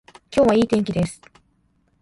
今日はいい天気です